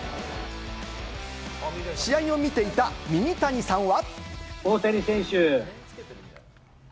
試合を見ていたミニタニさんは。